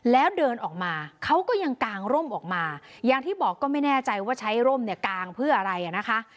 แล้วเดินออกมาเขาก็ยังกางร่มออกมาอย่างที่บอกก็ไม่แน่ใจว่าใช้ร่มเนี่ยกางเพื่ออะไรอ่ะนะคะ